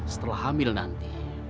setelah hamil nanti